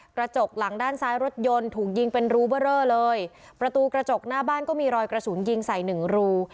กระจกหลังด้านซ้ายรถยนต์ถูกยิงเป็นรูเบอร์เรอเลยประตูกระจกหน้าบ้านก็มีรอยกระสุนยิงใส่หนึ่งรู